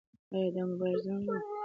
ایا دا د موبایل زنګ و؟